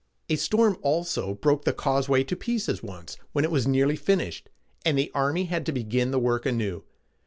A storm, also, broke the causeway to pieces once, when it was nearly finished, and the army had to begin the work anew.